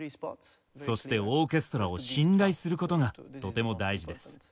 そしてオーケストラを信頼する事がとても大事です。